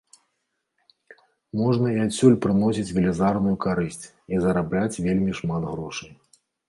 Можна і адсюль прыносіць велізарную карысць і зарабляць вельмі шмат грошай.